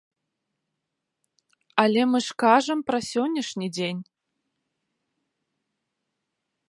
Але мы ж кажам пра сённяшні дзень.